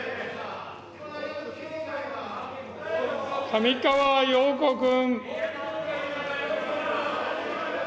上川陽子君。